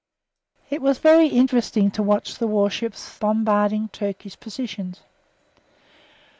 It was very interesting to watch the warships bombarding Turkish positions.